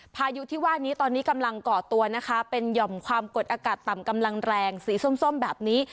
พายุที่ว่านี้ตอนนี้กำลังก่อตัวนะคะเป็นหย่อมความกดอากาศต่ำกำลังแรงสีส้มแบบนี้